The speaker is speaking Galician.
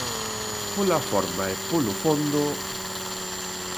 Pola forma e polo fondo...